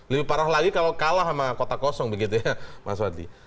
lebih parah lagi kalau kalah sama kota kosong begitu ya mas wadi